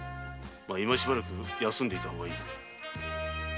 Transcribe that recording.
今しばらく休んでいた方がいい。